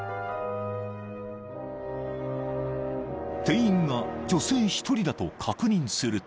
［店員が女性一人だと確認すると］